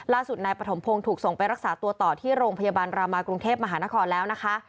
ล่าสุดนายปฐมพงศ์ถูกส่งไปรักษาตัวต่อที่โรงพยาบาลรามากรุงเทพมหานครแล้วนะคะ